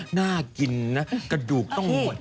น่ากินนะกระดูกต้องหมด